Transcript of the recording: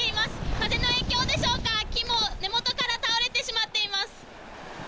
風の影響でしょうか、木も根元から倒れてしまっています。